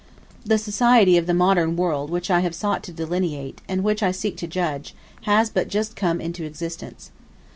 The society of the modern world which I have sought to delineate, and which I seek to judge, has but just come into existence.